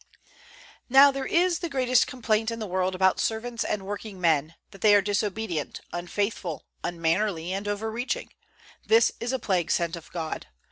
Now there is the greatest complaint in the world about servants and working men, that they are disobedient, unfaithful, unmannerly, and over reaching; this is a plague sent of God.